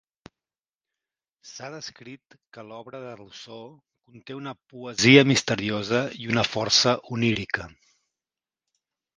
S'ha descrit que l'obra de Rousseau conté una "poesia misteriosa" i una força onírica".